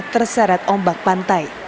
terseret ombak pantai